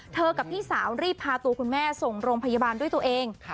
กับพี่สาวรีบพาตัวคุณแม่ส่งโรงพยาบาลด้วยตัวเอง